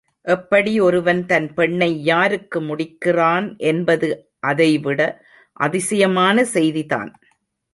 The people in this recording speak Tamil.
எப்படி ஒருவன் தன் பெண்னை யாருக்கு முடிக்கிறான் என்பது அதைவிட, அதிசயமான செய்திதான்.